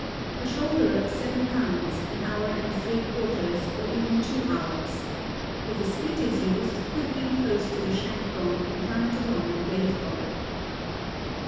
A shoulder, of seven pounds, an hour and three quarters, or even two hours. If a spit is used, put it in close to the shank bone, and run it along the blade bone.